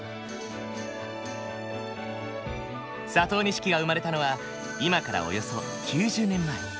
佐藤錦が生まれたのは今からおよそ９０年前。